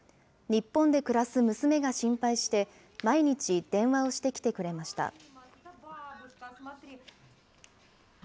日本で暮らす娘が心配して、毎日、電話をしてきてくれました。